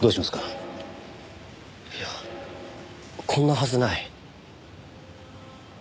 いやこんなはずない。